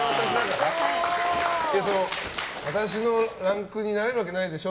私のランクになれるわけないでしょ